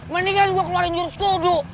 mendingan gua keluarin jurus kudu